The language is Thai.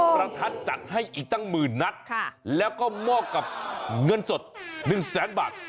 ปรากฏจัดให้อีกหนึ่งนัดแล้วก็มอบกับเงินสด๑๐๐๐๐๐บาท